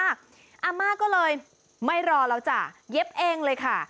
อาม่าก็เลยไม่รอแล้วจ้ะเย็บเองเลยค่ะ